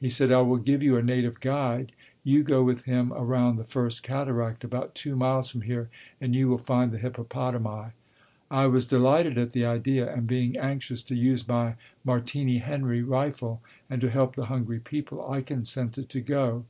He said, "I will give you a native guide, you go with him around the first cataract about two miles from here and you will find the hippopotami." I was delighted at the idea, and being anxious to use my "Martini Henry" rifle and to help the hungry people, I consented to go.